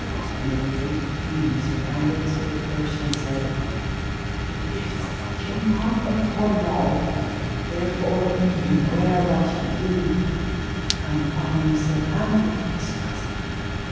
Then with great pain Sir Andred spake first, and said: It is King Mark of Cornwall, therefore be ye ware what ye do, and I am Sir Andred, his cousin.